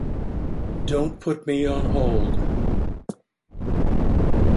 Don't put me on hold.